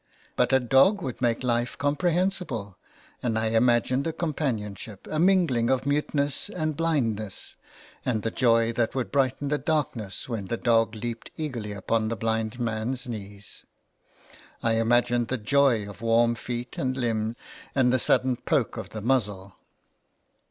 But a dog would make life comprehensible, and I imagined a companionship, a mingling of mute ness and blindness, and the joy that would brighten the darkness when the dog leaped eagerly upon the blind man's knees. I imagined the joy of warm feet and limb, and the sudden poke of the muzzle.